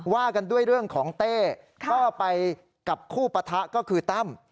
ว่ากันด้วยเรื่องของเต้ก็ไปกับคู่ปะทะก็คือตั้ม